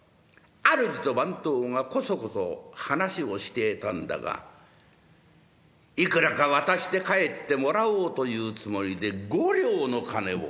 主と番頭がこそこそ話をしていたんだがいくらか渡して帰ってもらおうというつもりで五両の金を。